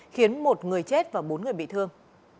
khiến một người chết và bốn người bị thương